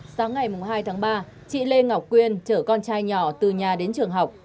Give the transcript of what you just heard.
sáng ngày hai tháng ba chị lê ngọc quyên chở con trai nhỏ từ nhà đến trường học